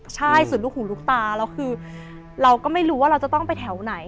ใช่สุดลูกหูลูกตาแล้วคือเราก็ไม่รู้ว่าเราจะต้องไปแถวไหน